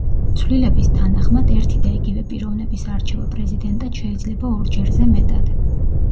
ცვლილების თანახმად, ერთი და იგივე პიროვნების არჩევა პრეზიდენტად შეიძლება ორ ჯერზე მეტად.